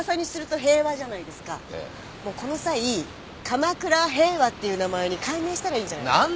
もうこの際鎌倉平和っていう名前に改名したらいいんじゃないですか？